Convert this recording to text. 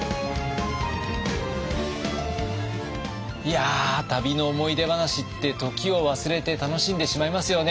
いや旅の思い出話って時を忘れて楽しんでしまいますよね。